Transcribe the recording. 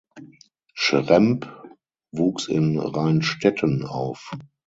Schrempp wuchs in Rheinstetten auf.